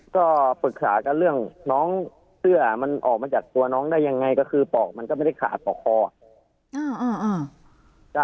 ก็ปรึกษากันเรื่องน้องเสื้อมันออกมาจากตัวน้องได้ยังไงก็คือปอกมันก็ไม่ได้ขาดปอกคอ